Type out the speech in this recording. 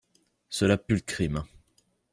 Cela pue le crime!